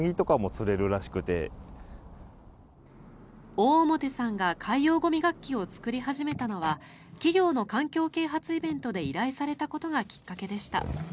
大表さんが海洋ゴミ楽器を作り始めたのは企業の環境啓発イベントで依頼されたことがきっかけでした。